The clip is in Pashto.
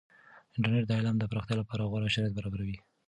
انټرنیټ د علم د پراختیا لپاره غوره شرایط برابروي.